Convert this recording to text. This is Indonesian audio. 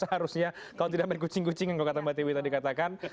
seharusnya kalau tidak main kucing kucing yang kalau kata mbak tiwi tadi katakan